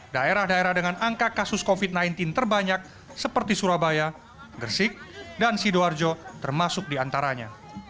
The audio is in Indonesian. daerah daerah dengan angka kasus covid sembilan belas terbanyak seperti surabaya gresik dan sidoarjo termasuk diantaranya